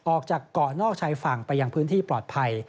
ออกจากเกาะนอกชายฝั่งไปยังพื้นที่ปลอดภัย